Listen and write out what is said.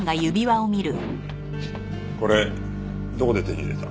これどこで手に入れた？